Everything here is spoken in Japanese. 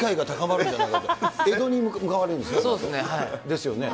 ですよね。